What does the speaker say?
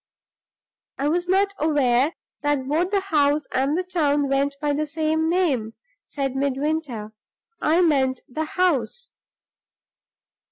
"I was not aware that both the house and the town went by the same name," said Midwinter; "I meant the house."